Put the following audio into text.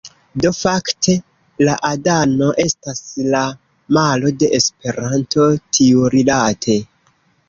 Do fakte, Láadano estas la malo de Esperanto tiurilate